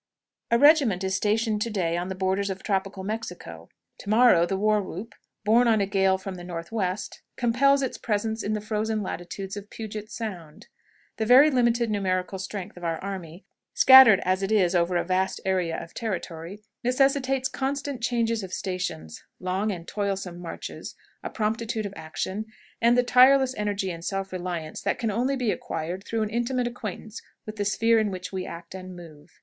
A regiment is stationed to day on the borders of tropical Mexico; to morrow, the war whoop, borne on a gale from the northwest, compels its presence in the frozen latitudes of Puget's Sound. The very limited numerical strength of our army, scattered as it is over a vast area of territory, necessitates constant changes of stations, long and toilsome marches, a promptitude of action, and a tireless energy and self reliance, that can only be acquired through an intimate acquaintance with the sphere in which we act and move.